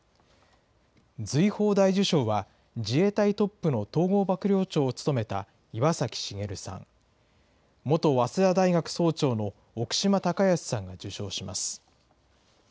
瑞宝大綬章は、自衛隊トップの統合幕僚長を務めた岩崎茂さん、元早稲田大学総長の奥島孝康さんが受章します。